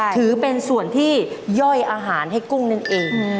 ถือเป็นส่วนที่ย่อยอาหารให้กุ้งนั่นเอง